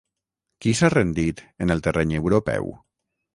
Qui s'ha rendit en el terreny europeu?